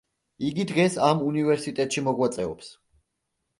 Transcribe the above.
იგი დღეს ამ უნივერსიტეტში მოღვაწეობს.